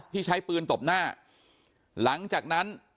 ใช้ปืนตบหน้าหลังจากนั้น